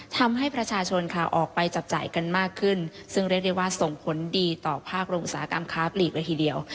ทำให้ประชาชนค่ะออกไปจับจ่ายกันมากขึ้นซึ่งเรียกได้ว่าส่งผลดีต่อภาคโรงอุตสาหกรรมค้าปลีกเลยทีเดียว